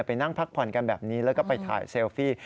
ไปนั่งพักผ่อนกันแบบนี้แล้วก็ไปถ่ายเซลฟี่